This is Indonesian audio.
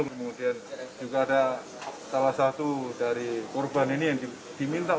kemudian juga ada salah satu dari korban ini yang diminta